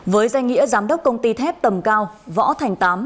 với danh nghĩa giám đốc công ty thép tầm cao võ thành tám